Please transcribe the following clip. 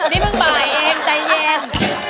นี่เป็นมันบ่ายเองใจเย็น